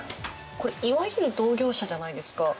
これ、いわゆる同業者じゃないですか。